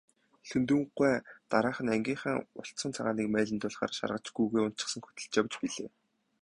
Лхүндэв гуай дараахан нь ангийнхаа улцан цагааныг малиндуулахаар шаргач гүүгээ уначихсан хөтөлж явж билээ.